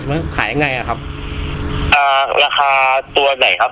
ใช่ไหมขายยังไงครับอ่าราคาตัวไหนครับ